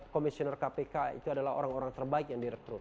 komisioner kpk itu adalah orang orang terbaik yang direkrut